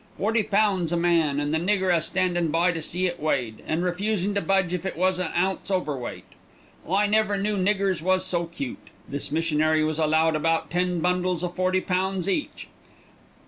Forty pounds a man, and the nigger a standin' by to see it weighed, an' refusin' to budge if it was a ounce overweight. I never knew niggers was so cute. This missionary was allowed about ten bundles o' forty pounds each.